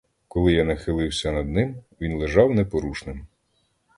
Коли я нахилився над ним, він лежав непорушним.